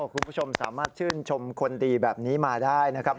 คุณผู้ชมสามารถชื่นชมคนดีแบบนี้มาได้นะครับ